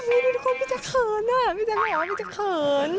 ทำไมทุกคนไม่จะเขินอ่ะไม่จะเหรอไม่จะเขิน